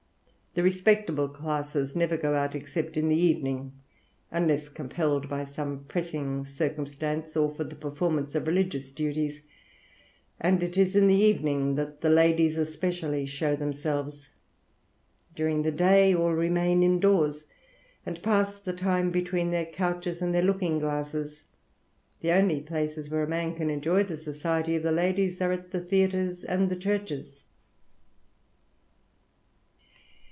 The respectable classes never go out except in the evening, unless compelled by some pressing circumstance or for the performance of religious duties; and it is in the evening that the ladies especially show themselves. During the day all remain indoors, and pass the time between their couches and their looking glasses. The only places where a man can enjoy the society of the ladies are the theatres and the churches."